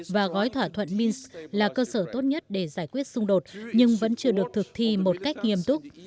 và gói thỏa thuận minsk là cơ sở tốt nhất để giải quyết xung đột nhưng vẫn chưa được thực thi một cách nghiêm túc